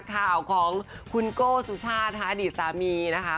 ข่าวของคุณโก้สุชาตินะคะอดีตสามีนะคะ